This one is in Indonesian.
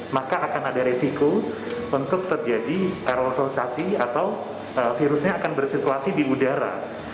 maka akan ada resiko untuk terjadi aerosolisasi atau virusnya akan bersituasi di udara